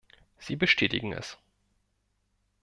Sie bestätigen es.